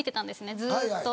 ずっと。